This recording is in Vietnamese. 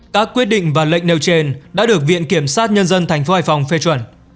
các quyết định và lệnh nêu trên đã được viện kiểm sát nhân dân tp hải phòng phê chuẩn